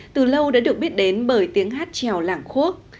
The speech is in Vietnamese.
từ lâu đã được biết đến bởi tiếng hát trèo làng khuốc